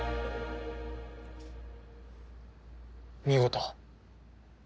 見事。